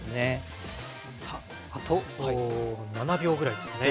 さああと７秒ぐらいですね。